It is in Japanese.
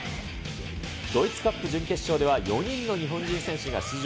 ドイツカップ準決勝では４人の日本人選手が出場。